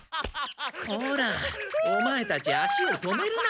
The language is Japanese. コラオマエたち足を止めるな！